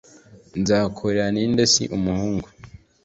nzakorera ni nde si umuhungu